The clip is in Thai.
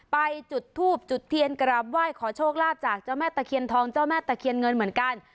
ไปจุดทูบจุดเทียนกราบไหว้ขอโชคลาภจากเจ้าแม่ตะเคียนทองเจ้าแม่ตะเคียนเงินเหมือนกัน